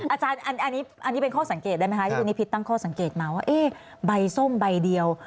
อาจารย์อันนี้เป็นข้อสังเกตได้มั้ยคะวันนี้พลิกตั้งข้อสังเกตมาบ่อยส้มไม่เดียว